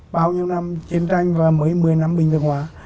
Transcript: bao nhiêu năm chiến tranh và mới một mươi năm bình thường hóa